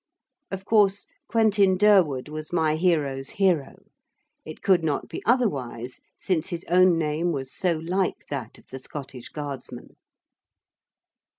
Of course Quentin Durward was my hero's hero. It could not be otherwise since his own name was so like that of the Scottish guardsman.